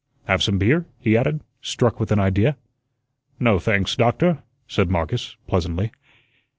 "Have some beer?" he added, struck with an idea. "No, thanks, Doctor," said Marcus, pleasantly.